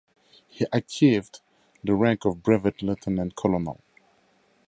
He later achieved the rank of brevet lieutenant colonel.